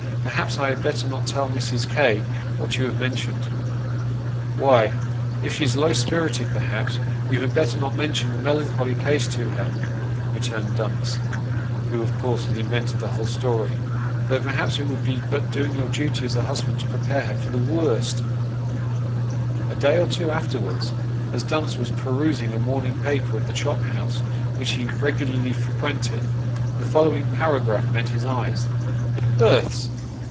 " Perhaps I had better not tell Mrs. K. what you have mentioned." " Why, if she's low spirited, perhaps you had better not mention the melancholy case to her," returned Dumps, who of course had invented the whole story; "though perhaps it would be but doing your duty as a husband to prepare her for the worst" A day or two afterwards, as Dumps was pernsing a morning paper at the chop house which he regularly frequented, the following para graph met his eyes "Births.